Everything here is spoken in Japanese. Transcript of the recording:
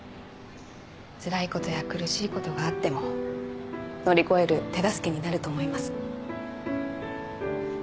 つらいことや苦しいことがあっても乗り越える手助けになると思います。